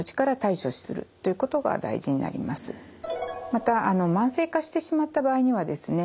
また慢性化してしまった場合にはですね